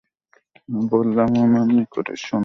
আমি বললাম, আমার নিকট এসো না।